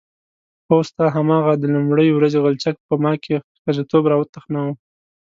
هو ستا هماغه د لومړۍ ورځې غلچک په ما کې ښځتوب راوتخناوه.